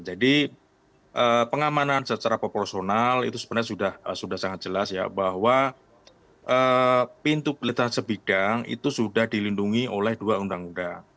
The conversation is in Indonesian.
jadi pengamanan secara proporsional itu sebenarnya sudah sangat jelas ya bahwa pintu perlintasan sebidang itu sudah dilindungi oleh dua undang undang